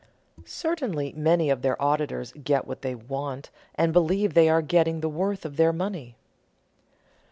Certainly many of their auditors get what they want and believe they are getting the worth of their money.